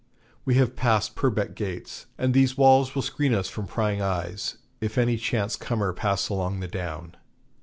We have passed Purbeck Gates, and these walls will screen us from prying eyes if any chance comer pass along the down.